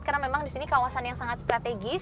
karena memang di sini kawasan yang sangat strategis